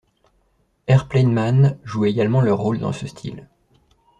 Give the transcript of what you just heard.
Airplane Man joue également leur rôle dans ce style.